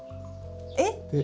えっ？